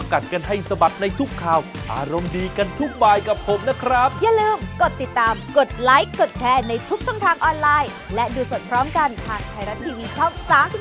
ขอบคุณครับ